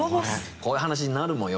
こういう話になるもんよく。